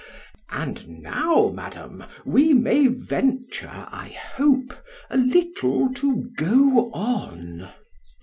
And now, Madam, we may venture, I hope a little to go on.